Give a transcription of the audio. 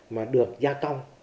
mà được gia công